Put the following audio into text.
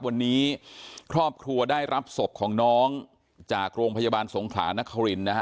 วันนี้ครอบครัวได้รับศพของน้องจากโรงพยาบาลสงขลานครินนะฮะ